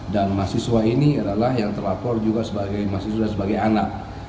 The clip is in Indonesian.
dan mahasiswa ini adalah yang terlapor juga sebagai mahasiswa dan sebagai anak